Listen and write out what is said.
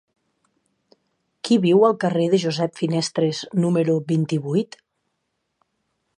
Qui viu al carrer de Josep Finestres número vint-i-vuit?